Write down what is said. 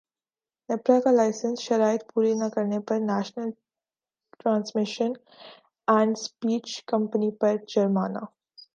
نیپرا کا لائسنس شرائط پوری نہ کرنے پر National Transmission and Despatch Company پر جرمانہ